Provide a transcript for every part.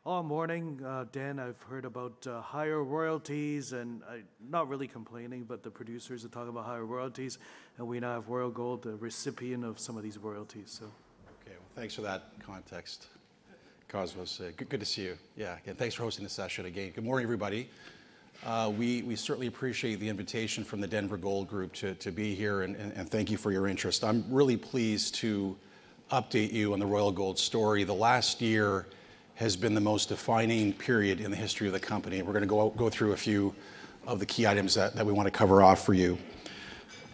Of Royal Gold. All morning, Dan, I've heard about higher royalties and I'm not really complaining, but the producers are talking about higher royalties, and we now have Royal Gold, the recipient of some of these royalties. Okay, well, thanks for that context, Cosmos. Good to see you. Yeah. Again, thanks for hosting this session again. Good morning, everybody. We certainly appreciate the invitation from the Denver Gold Group to be here, and thank you for your interest. I'm really pleased to update you on the Royal Gold story. The last year has been the most defining period in the history of the company, and we're going to go through a few of the key items that we want to cover off for you.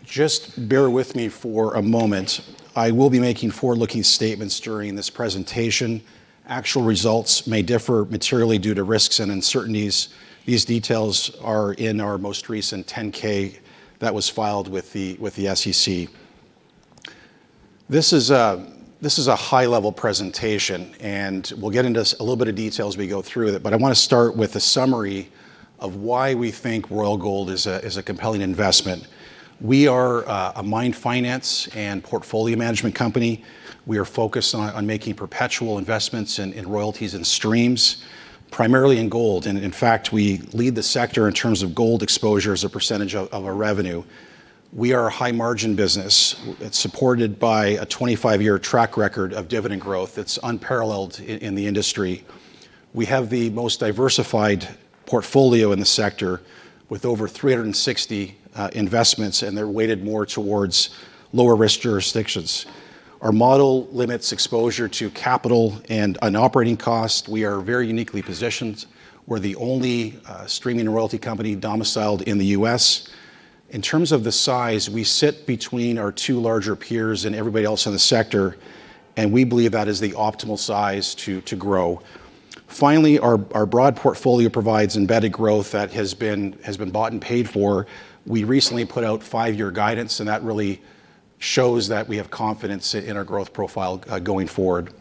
Just bear with me for a moment. I will be making forward-looking statements during this presentation. Actual results may differ materially due to risks and uncertainties. These details are in our most recent 10-K that was filed with the SEC. This is a high-level presentation, and we'll get into a little bit of detail as we go through it, but I want to start with a summary of why we think Royal Gold is a compelling investment. We are a mine finance and portfolio management company. We are focused on making perpetual investments in royalties and streams, primarily in gold, and in fact, we lead the sector in terms of gold exposure as a percentage of our revenue. We are a high-margin business. It's supported by a 25-year track record of dividend growth that's unparalleled in the industry. We have the most diversified portfolio in the sector with over 360 investments, and they're weighted more towards lower-risk jurisdictions. Our model limits exposure to capital and on operating costs. We are very uniquely positioned. We're the only streaming royalty company domiciled in the U.S. In terms of the size, we sit between our two larger peers and everybody else in the sector, and we believe that is the optimal size to grow. Finally, our broad portfolio provides embedded growth that has been bought and paid for. We recently put out five-year guidance, and that really shows that we have confidence in our growth profile going forward.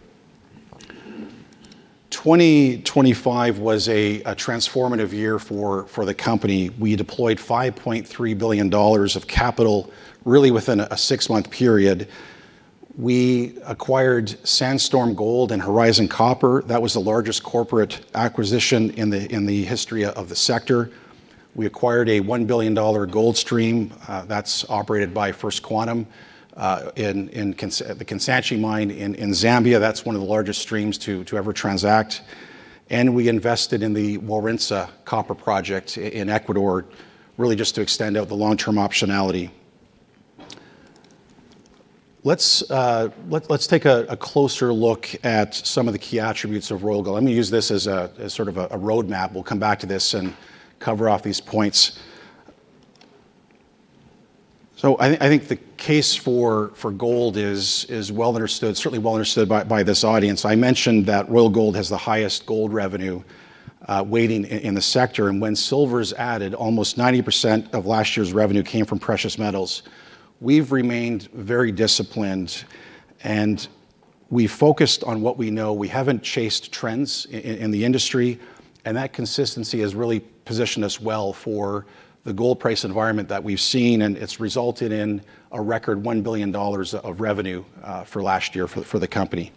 2025 was a transformative year for the company. We deployed $5.3 billion of capital really within a six-month period. We acquired Sandstorm Gold and Horizon Copper. That was the largest corporate acquisition in the history of the sector. We acquired a $1 billion gold stream that's operated by First Quantum in the Kansanshi mine in Zambia. That's one of the largest streams to ever transact. We invested in the Warintza copper project in Ecuador, really just to extend out the long-term optionality. Let's take a closer look at some of the key attributes of Royal Gold. I'm going to use this as sort of a roadmap. We'll come back to this and cover off these points. I think the case for gold is well understood, certainly well understood by this audience. I mentioned that Royal Gold has the highest gold revenue weighting in the sector, and when silver is added, almost 90% of last year's revenue came from precious metals. We've remained very disciplined, and we focused on what we know. We haven't chased trends in the industry, and that consistency has really positioned us well for the gold price environment that we've seen, and it's resulted in a record $1 billion of revenue for last year for the company.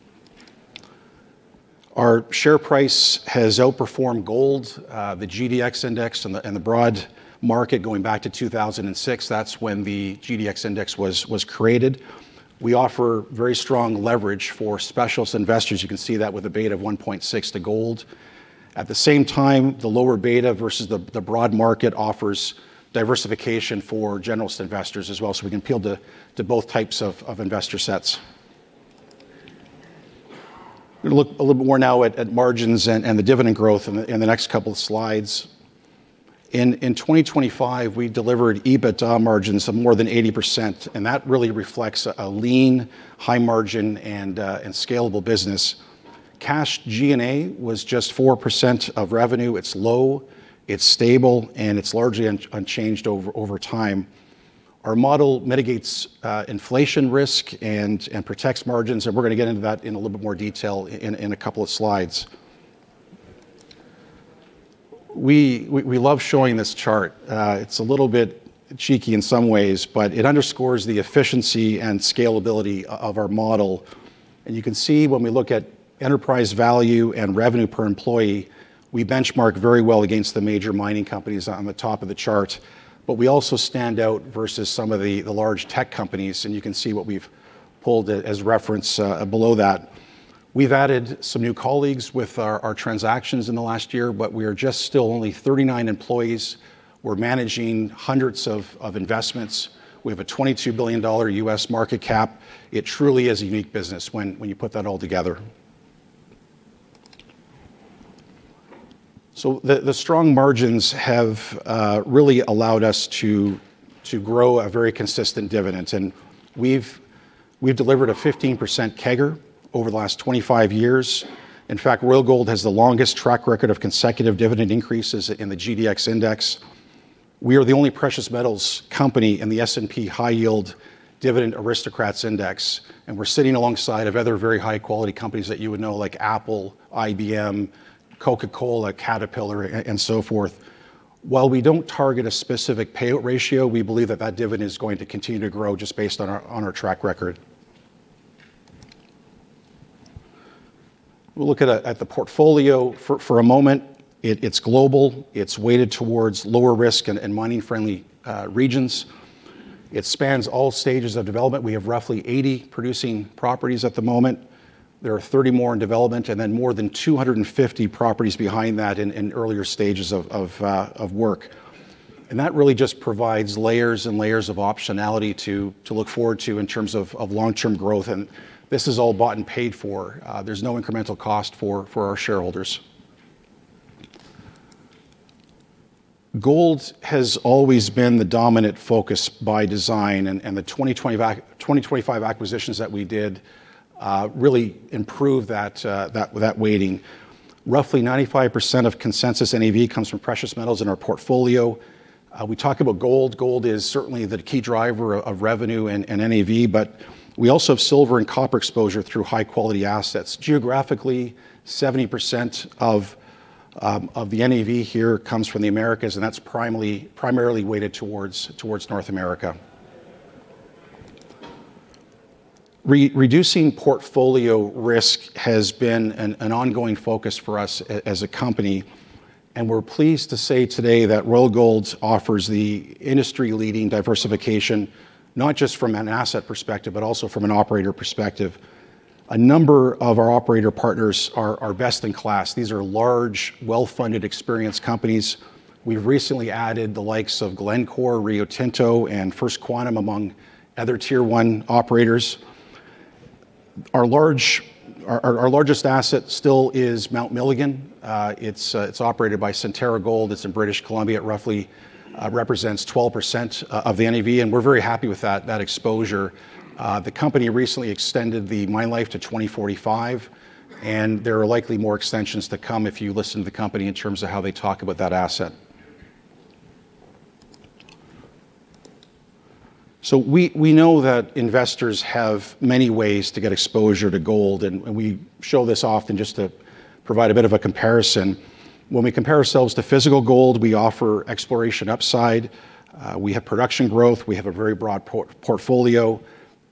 Our share price has outperformed gold, the GDX index and the broad market going back to 2006. That's when the GDX index was created. We offer very strong leverage for specialist investors. You can see that with a beta of 1.6 to gold. At the same time, the lower beta versus the broad market offers diversification for generalist investors as well, so we can appeal to both types of investor sets. We're going to look a little bit more now at margins and the dividend growth in the next couple of slides. In 2025, we delivered EBITDA margins of more than 80%, and that really reflects a lean, high-margin, and scalable business. Cash G&A was just 4% of revenue. It's low, it's stable, and it's largely unchanged over time. Our model mitigates inflation risk and protects margins, and we're going to get into that in a little bit more detail in a couple of slides. We love showing this chart. It's a little bit cheeky in some ways, but it underscores the efficiency and scalability of our model. You can see when we look at enterprise value and revenue per employee, we benchmark very well against the major mining companies on the top of the chart. We also stand out versus some of the large tech companies, and you can see what we've pulled as a reference below that. We've added some new colleagues with our transactions in the last year, but we are just still only 39 employees. We're managing hundreds of investments. We have a $22 billion U.S. market cap. It truly is a unique business when you put that all together. The strong margins have really allowed us to grow a very consistent dividend, and we've delivered a 15% CAGR over the last 25 years. In fact, Royal Gold has the longest track record of consecutive dividend increases in the GDX index. We are the only precious metals company in the S&P High Yield Dividend Aristocrats Index, and we're sitting alongside of other very high-quality companies that you would know like Apple, IBM, Coca-Cola, Caterpillar, and so forth. While we don't target a specific payout ratio, we believe that dividend is going to continue to grow just based on our track record. We'll look at the portfolio for a moment. It's global. It's weighted towards lower risk and mining-friendly regions. It spans all stages of development. We have roughly 80 producing properties at the moment. There are 30 more in development and then more than 250 properties behind that in earlier stages of work. That really just provides layers and layers of optionality to look forward to in terms of long-term growth. This is all bought and paid for. There's no incremental cost for our shareholders. Gold has always been the dominant focus by design, and the 2025 acquisitions that we did really improved that weighting. Roughly 95% of consensus NAV comes from precious metals in our portfolio. We talk about gold. Gold is certainly the key driver of revenue and NAV, but we also have silver and copper exposure through high-quality assets. Geographically, 70% of the NAV here comes from the Americas, and that's primarily weighted towards North America. Reducing portfolio risk has been an ongoing focus for us as a company, and we're pleased to say today that Royal Gold offers the industry-leading diversification, not just from an asset perspective, but also from an operator perspective. A number of our operator partners are best in class. These are large, well-funded, experienced companies. We've recently added the likes of Glencore, Rio Tinto, and First Quantum, among other tier-one operators. Our largest asset still is Mount Milligan. It's operated by Centerra Gold. It's in British Columbia. It roughly represents 12% of the NAV, and we're very happy with that exposure. The company recently extended the mine life to 2045, and there are likely more extensions to come if you listen to the company in terms of how they talk about that asset. We know that investors have many ways to get exposure to gold, and we show this often just to provide a bit of a comparison. When we compare ourselves to physical gold, we offer exploration upside, we have production growth, we have a very broad portfolio,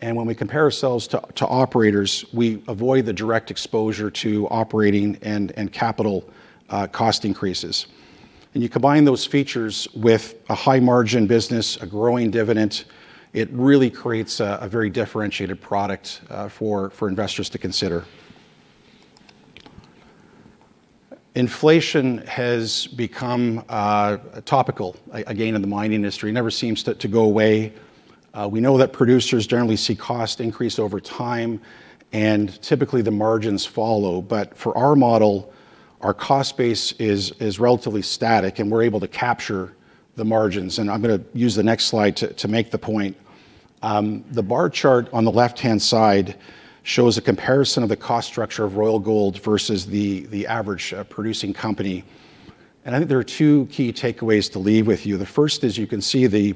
and when we compare ourselves to operators, we avoid the direct exposure to operating and capital cost increases. You combine those features with a high-margin business, a growing dividend, it really creates a very differentiated product for investors to consider. Inflation has become topical again in the mining industry. It never seems to go away. We know that producers generally see cost increase over time, and typically the margins follow. For our model, our cost base is relatively static, and we're able to capture the margins. I'm going to use the next slide to make the point. The bar chart on the left-hand side shows a comparison of the cost structure of Royal Gold versus the average producing company. I think there are two key takeaways to leave with you. The first is you can see the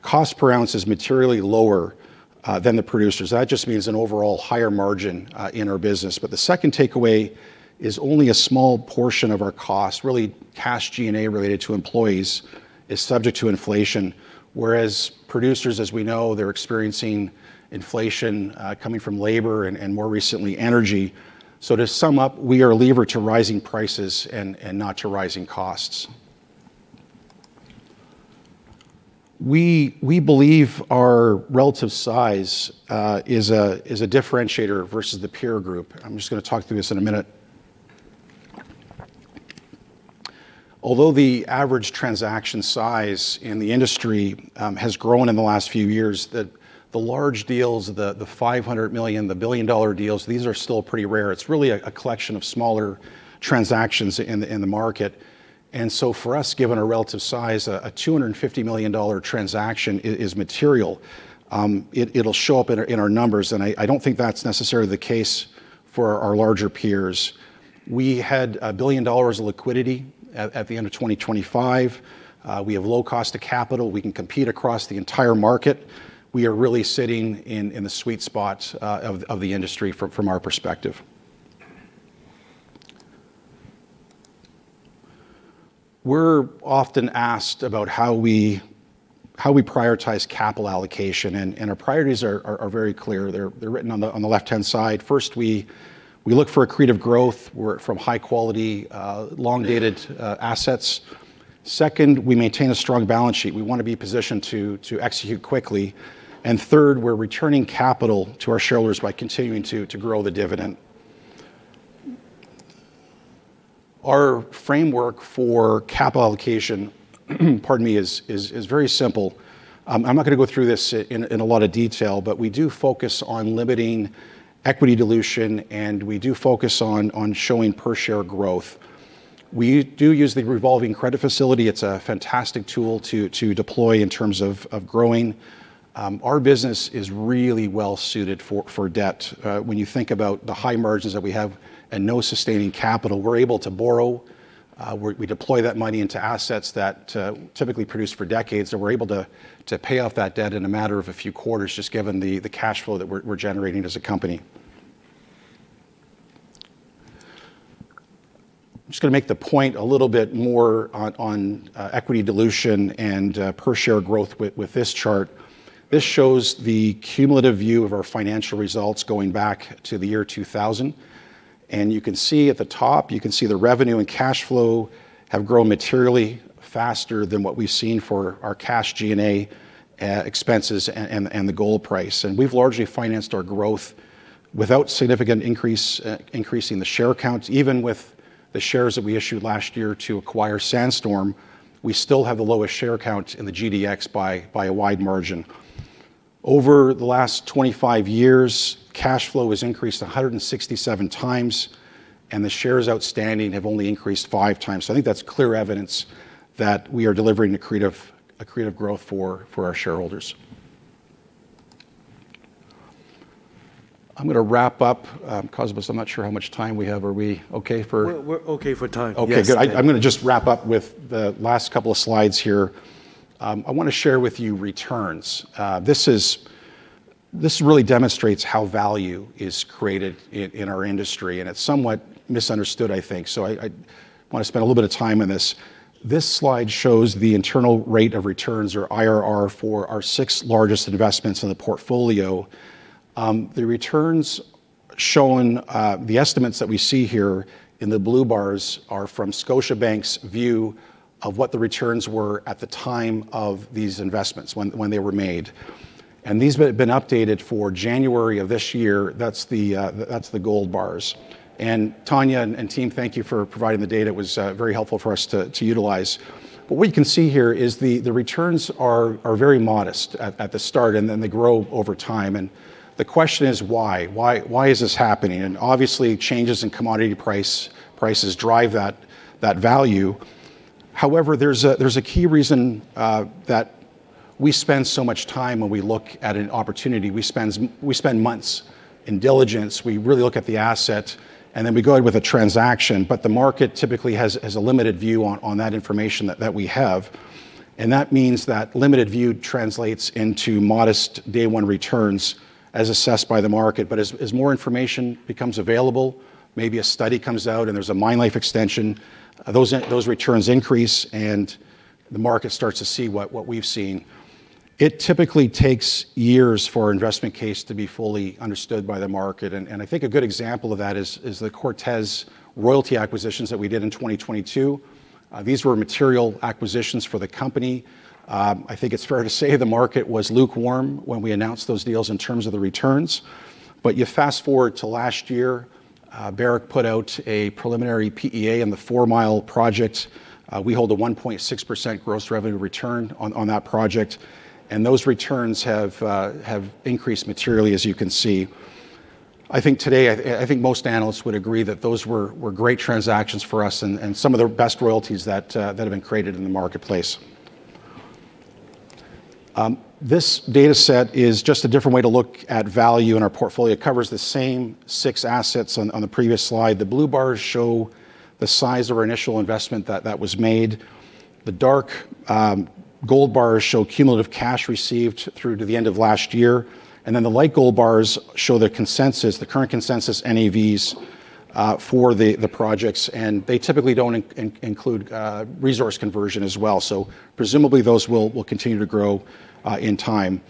cost per ounce is materially lower than the producers. That just means an overall higher margin in our business. The second takeaway is only a small portion of our cost, really cash G&A related to employees, is subject to inflation, whereas producers, as we know, they're experiencing inflation coming from labor and more recently, energy. To sum up, we are a lever to rising prices and not to rising costs. We believe our relative size is a differentiator versus the peer group. I'm just going to talk through this in a minute. Although the average transaction size in the industry has grown in the last few years, the large deals, the $500 million, the billion-dollar deals, these are still pretty rare. It's really a collection of smaller transactions in the market. For us, given our relative size, a $250 million transaction is material. It'll show up in our numbers, and I don't think that's necessarily the case for our larger peers. We had $1 billion of liquidity at the end of 2025. We have low cost of capital. We can compete across the entire market. We are really sitting in the sweet spot of the industry from our perspective. We're often asked about how we prioritize capital allocation, and our priorities are very clear. They're written on the left-hand side. First, we look for accretive growth from high-quality, long-dated assets. Second, we maintain a strong balance sheet. We want to be positioned to execute quickly. Third, we're returning capital to our shareholders by continuing to grow the dividend. Our framework for capital allocation is very simple. I'm not going to go through this in a lot of detail, but we do focus on limiting equity dilution, and we do focus on showing per-share growth. We do use the revolving credit facility. It's a fantastic tool to deploy in terms of growing. Our business is really well suited for debt. When you think about the high margins that we have and no sustaining capital, we're able to borrow, we deploy that money into assets that typically produce for decades, and we're able to pay off that debt in a matter of a few quarters, just given the cash flow that we're generating as a company. I'm just going to make the point a little bit more on equity dilution and per-share growth with this chart. This shows the cumulative view of our financial results going back to the year 2000, and you can see at the top the revenue and cash flow have grown materially faster than what we've seen for our cash G&A expenses and the gold price. We've largely financed our growth without significant increase in the share count. Even with the shares that we issued last year to acquire Sandstorm, we still have the lowest share count in the GDX by a wide margin. Over the last 25 years, cash flow has increased 167 times, and the shares outstanding have only increased five times. I think that's clear evidence that we are delivering accretive growth for our shareholders. I'm going to wrap up, Cosmos. I'm not sure how much time we have. Are we okay for time? We're okay for time, yes. Okay, good. I'm going to just wrap up with the last couple of slides here. I want to share with you returns. This really demonstrates how value is created in our industry, and it's somewhat misunderstood I think. I want to spend a little bit of time on this. This slide shows the internal rate of returns, or IRR, for our six largest investments in the portfolio. The returns shown, the estimates that we see here in the blue bars are from Scotiabank's view of what the returns were at the time of these investments when they were made. These have been updated for January of this year. That's the gold bars. Tanya and team, thank you for providing the data. It was very helpful for us to utilize. What you can see here is the returns are very modest at the start, and then they grow over time. The question is why? Why is this happening? Obviously, changes in commodity prices drive that value. However, there's a key reason that we spend so much time when we look at an opportunity. We spend months in diligence. We really look at the asset, and then we go ahead with a transaction, but the market typically has a limited view on that information that we have, and that means that limited view translates into modest day one returns as assessed by the market. As more information becomes available, maybe a study comes out and there's a mine life extension, those returns increase and the market starts to see what we've seen. It typically takes years for our investment case to be fully understood by the market, and I think a good example of that is the Cortez royalty acquisitions that we did in 2022. These were material acquisitions for the company. I think it's fair to say the market was lukewarm when we announced those deals in terms of the returns. You fast-forward to last year, Barrick put out a preliminary PEA on the Fourmile Project. We hold a 1.6% gross revenue royalty on that project, and those returns have increased materially, as you can see. I think today, I think most analysts would agree that those were great transactions for us and some of the best royalties that have been created in the marketplace. This data set is just a different way to look at value in our portfolio. It covers the same six assets on the previous slide. The blue bars show the size of our initial investment that was made. The dark gold bars show cumulative cash received through to the end of last year. The light gold bars show the current consensus NAVs for the projects. They typically don't include resource conversion as well. Presumably, those will continue to grow in time.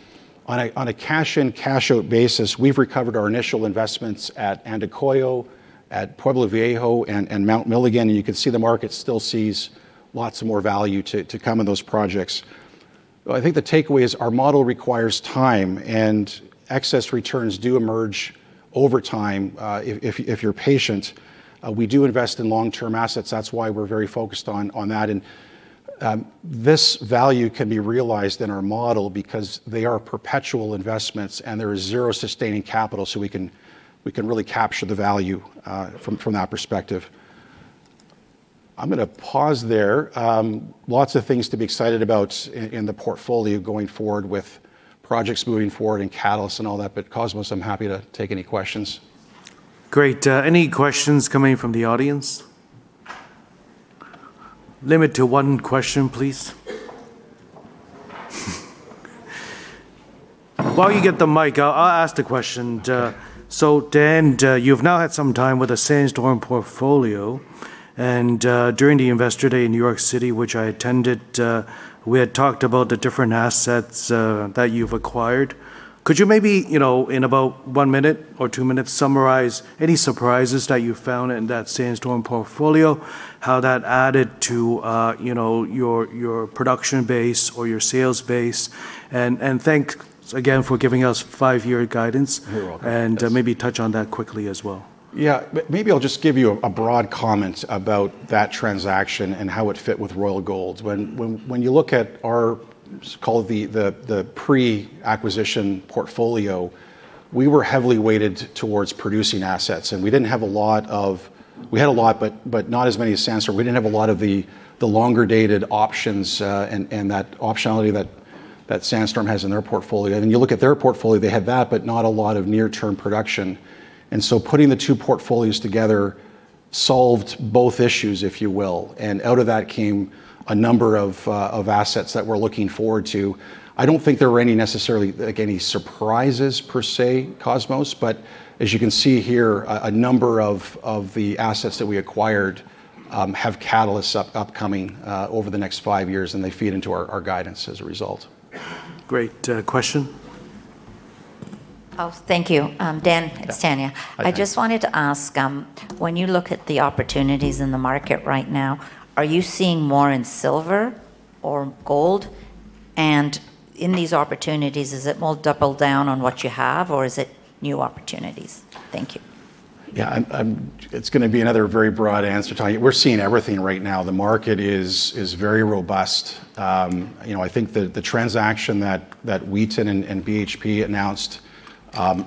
On a cash-in, cash-out basis, we've recovered our initial investments at Andacollo, at Pueblo Viejo, and Mount Milligan. You can see the market still sees lots more value to come in those projects. I think the takeaway is our model requires time. Excess returns do emerge over time, if you're patient. We do invest in long-term assets. That's why we're very focused on that and this value can be realized in our model because they are perpetual investments and there is zero sustaining capital, so we can really capture the value from that perspective. I'm going to pause there. Lots of things to be excited about in the portfolio going forward with projects moving forward and catalysts and all that, but Cosmos, I'm happy to take any questions. Great. Any questions coming from the audience? Limit to one question, please. While you get the mic, I'll ask the question. Dan, you've now had some time with the Sandstorm portfolio, and during the Investor Day in New York City, which I attended, we had talked about the different assets that you've acquired. Could you maybe, in about one minute or two minutes, summarize any surprises that you found in that Sandstorm portfolio, how that added to your production base or your sales base? Thanks again for giving us five-year guidance. You're welcome. Maybe touch on that quickly as well. Yeah. Maybe I'll just give you a broad comment about that transaction and how it fit with Royal Gold. When you look at our, let's call it the pre-acquisition portfolio, we were heavily weighted towards producing assets, and we had a lot, but not as many as Sandstorm. We didn't have a lot of the longer-dated options and that optionality that Sandstorm has in their portfolio. You look at their portfolio, they had that, but not a lot of near-term production. Putting the two portfolios together solved both issues, if you will, and out of that came a number of assets that we're looking forward to. I don't think there were any necessarily, like any surprises per se, Cosmos, but as you can see here, a number of the assets that we acquired have catalysts upcoming over the next five years, and they feed into our guidance as a result. Great. Question? Oh, thank you. Dan, it's Tanya. I just wanted to ask, when you look at the opportunities in the market right now, are you seeing more in silver or in gold? In these opportunities, is it more double down on what you have, or is it new opportunities? Thank you. Yeah. It's going to be another very broad answer, Tanya. We're seeing everything right now. The market is very robust. I think the transaction that Wheaton and BHP announced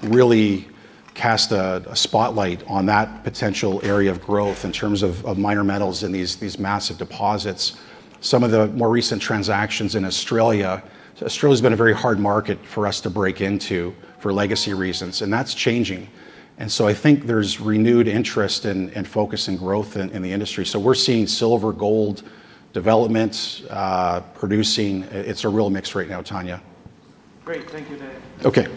really cast a spotlight on that potential area of growth in terms of minor metals in these massive deposits. Some of the more recent transactions in Australia. Australia's been a very hard market for us to break into for legacy reasons, and that's changing, and so I think there's renewed interest and focus in growth in the industry. We're seeing silver, gold developments, producing. It's a real mix right now, Tanya. Great. Thank you, Dan. Okay.